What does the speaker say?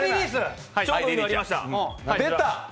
出た！